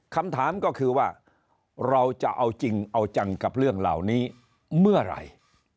คำถามก็คือว่าเราจะเอาจริงเอาจังกับเรื่องเหล่านี้เมื่อไหร่